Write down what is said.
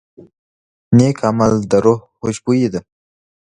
نیک عمل د روح خوشبويي ده.